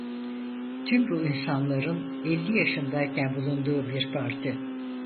Tüm bu insanların elli yaşındayken bulunduğu bir parti.